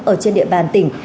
ở trên địa bàn tỉnh